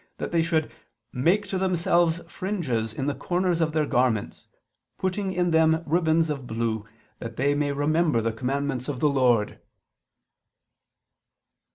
that they should "make to themselves fringes in the corners of their garments, putting in them ribands of blue ... they may remember ... the commandments of the Lord."